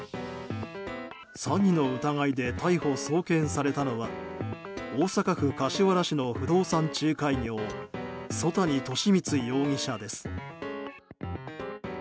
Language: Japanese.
詐欺の疑いで逮捕・送検されたのは大阪府柏原市の不動産仲介業曽谷利満容疑者です。